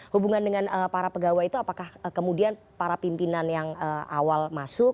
hubungan dengan para pegawai itu apakah kemudian para pimpinan yang awal masuk